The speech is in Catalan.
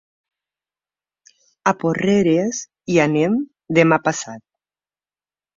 A Porreres hi anem demà passat.